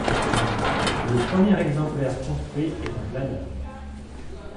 Le premier exemplaire construit est un planeur.